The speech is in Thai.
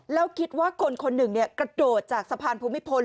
แล้วคิดว่าคนคนหนึ่งกระโดดจากสะพานภูมิพล